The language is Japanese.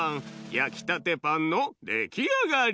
やきたてパンのできあがり！